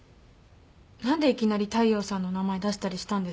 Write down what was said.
何でいきなり大陽さんの名前出したりしたんですか？